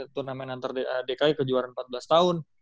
turnamen antar dki kejuaraan empat belas tahun